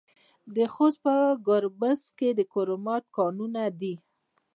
د خوست په ګربز کې د کرومایټ کانونه دي.